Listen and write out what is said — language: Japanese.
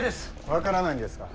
分からないんですか。